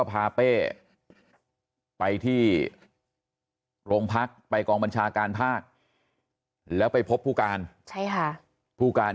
พาเป้ไปที่โรงพักไปกองบัญชาการภาคแล้วไปพบผู้การใช่ค่ะผู้การ